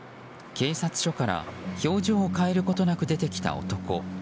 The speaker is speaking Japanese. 警察署から表情を変えることなく出てきた男。